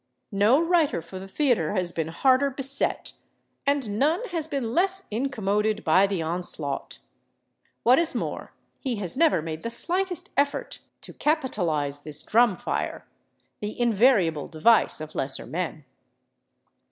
No writer for the theater has been harder beset, and none has been less incommoded by the onslaught. What is more, he has never made the slightest effort to capitalize this drum fire—the invariable device of lesser men.